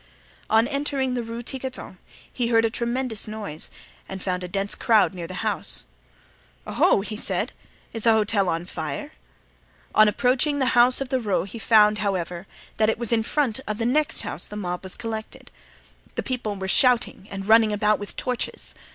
On entering the Rue Tiquetonne he heard a tremendous noise and found a dense crowd near the house. "Oho!" said he, "is the hotel on fire?" On approaching the hotel of the Roe he found, however, that it was in front of the next house the mob was collected. The people were shouting and running about with torches.